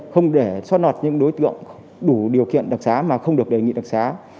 không để xót nọt những đối tượng đủ điều kiện đặc sá mà không được đề nghị đặc sá